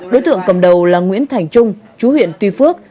đối tượng cầm đầu là nguyễn thành trung chú huyện tuy phước